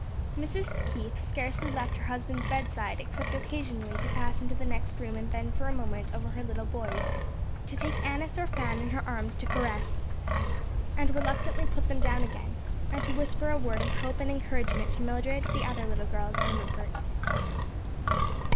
Mrs. Keith scarcely left her husband's bed side except occasionally to pass into the next room and bend for a moment over her little boys, to take Annis or Fan in her arms to caress, and reluctantly put them down again, and to whisper a word of hope and encouragement to Mildred, the other little girls and Rupert.